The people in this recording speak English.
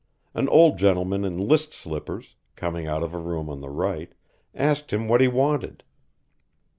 An old gentleman in list slippers, coming out of a room on the right, asked him what he wanted.